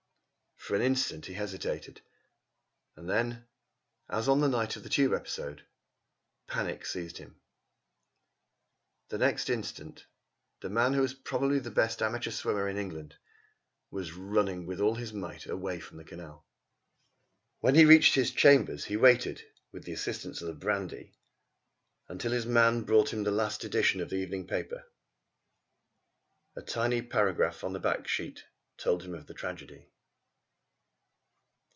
For an instant he hesitated. Then, as on the night of the Tube episode, panic seized him. The next instant the man who was probably the best amateur swimmer in England, was running with all his might away from the canal. When he reached his chambers he waited, with the assistance of the brandy, until his man brought him the last edition of the evening paper. A tiny paragraph on the back sheet told him of the tragedy.